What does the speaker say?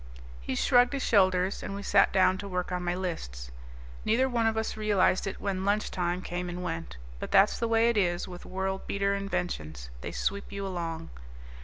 He shrugged his shoulders, and we sat down to work on my lists. Neither one of us realized it when lunch time came and went. But that's the way it is with world beater inventions; they sweep you along.